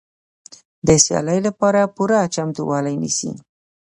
د سیالۍ لپاره پوره چمتووالی نیسي.